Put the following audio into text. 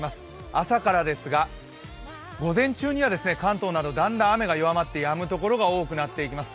朝からですが午前中には関東などだんだん雨が弱まってやんでくるところが多くなっていきます。